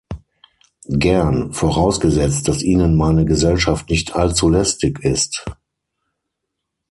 Gern, vorausgesetzt, dass Ihnen meine Gesellschaft nicht allzu lästig ist.